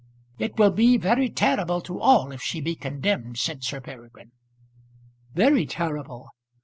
"It will be very terrible to all if she be condemned," said Sir Peregrine. "Very terrible!